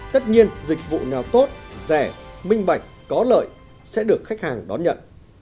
tất nhiên dịch vụ nào tốt rẻ minh bạch có lợi sẽ được khách hàng đón nhận